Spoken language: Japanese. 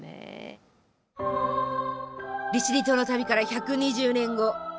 利尻島の旅から１２０年後。